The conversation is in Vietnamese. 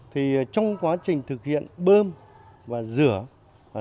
thì trong quá trình thực hiện bơm và rửa